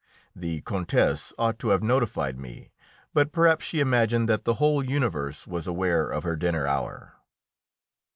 The Countess ought to have notified me, but perhaps she imagined that the whole universe was aware of her dinner hour.